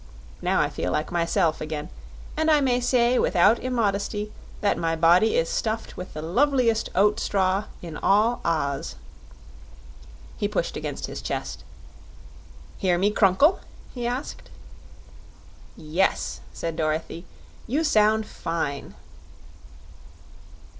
Now I feel like myself again, and I may say without immodesty that my body is stuffed with the loveliest oat straw in all Oz." He pushed against his chest. "Hear me crunkle?" he asked. "Yes," said Dorothy; "you sound fine."